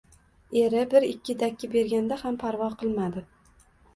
Eri bir-ikki dakki berganda ham parvo qilmadi